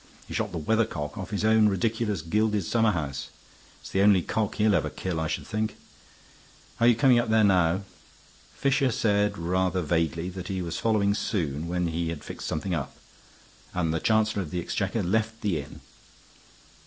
He shot the weathercock off his own ridiculous gilded summerhouse. It's the only cock he'll ever kill, I should think. Are you coming up there now?" Fisher said, rather vaguely, that he was following soon, when he had fixed something up; and the Chancellor of the Exchequer left the inn.